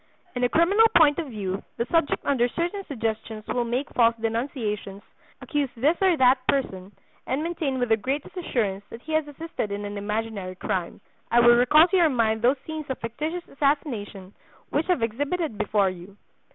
In a criminal point of view the subject under certain suggestions will make false denunciations, accuse this or that person, and maintain with the greatest assurance that he has assisted at an imaginary crime. I will recall to your mind those scenes of fictitious assassination, which have exhibited before you.